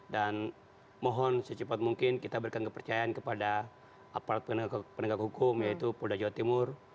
dan mohon secepat mungkin kita berikan kepercayaan kepada aparat penegak hukum yaitu pumas kapolda jawa timur